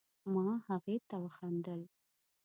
ما هغې ته وخندل